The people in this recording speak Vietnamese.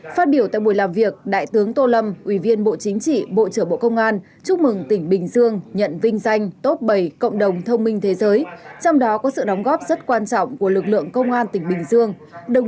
phát biểu tại buổi làm việc đại tướng tô lâm ủy viên bộ chính trị bộ trưởng bộ công an chúc mừng tỉnh bình dương nhận vinh danh top bảy cộng đồng thông minh thế giới trong đó có sự đóng góp rất quan trọng của lực lượng công an tỉnh bình dương